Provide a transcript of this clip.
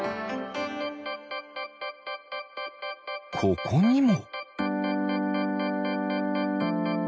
ここにも。